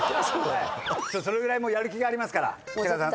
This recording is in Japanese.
それぐらいやる気がありますから北川さん